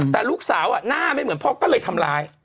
แต่ลูกสาวหน้าไม่เหมือนพ่อก็เลยทำร้าย